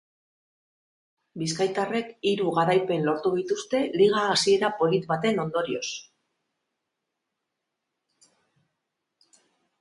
Bizkaitarrek hiru garaipen lortu dituzte liga hasiera polit baten ondorioz.